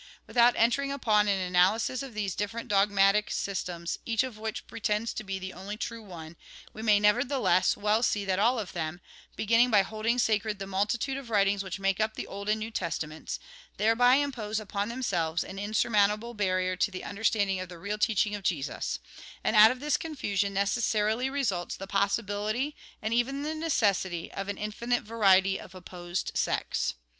Without entering upon an analysis of these different dogmatic systems, each of which pretends to be the only true one, we may, nevertheless, well see that all of them, beginning by holding sacred the multitude of writings which make up the Old and New Testaments, thereby impose upon them selves an insurmountable barrier to the under standing of the real teaching of Jesus ; and out of this confusion necessarily results the possibility, and even the necessity, of an infinite variety of opposed sects.